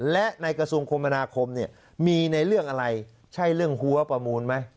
และในกระทรวงคมนาคมเนี่ยมีในเรื่องอะไรใช่เรื่องหัวประมูลไหม